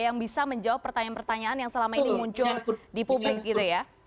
yang bisa menjawab pertanyaan pertanyaan yang selama ini muncul di publik gitu ya